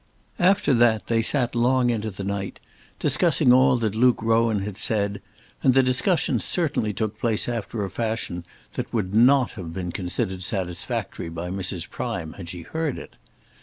After that they sat long into the night, discussing all that Luke Rowan had said, and the discussion certainly took place after a fashion that would not have been considered satisfactory by Mrs. Prime had she heard it.